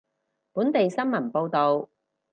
本地新聞報道